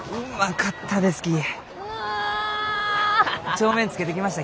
帳面つけてきました